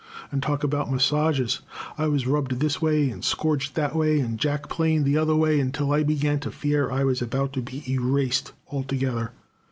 And talk about massages! I was rubbed this way, and scourged that way, and jack planed the other way, until I began to fear I was about to be erased altogether.